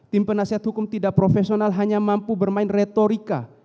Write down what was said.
tim penasehat hukum tidak profesional hanya mampu bermain retorika